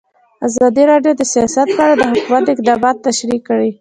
ازادي راډیو د سیاست په اړه د حکومت اقدامات تشریح کړي.